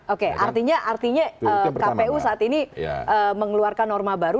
oke artinya kpu saat ini mengeluarkan norma baru